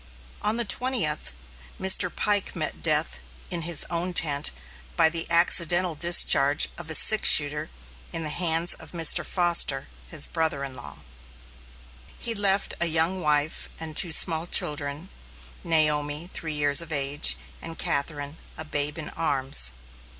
On the twentieth, Mr. Pike met death in his own tent by the accidental discharge of a six shooter in the hands of Mr. Foster, his brother in law. He left a young wife, and two small children, Naomi, three years of age, and Catherine, a babe in arms.